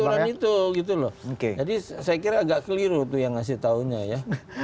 jadi nggak ada itu aturan itu gitu loh jadi saya kira agak keliru tuh yang ngasih tahunya ya